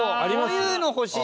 そういうの欲しい。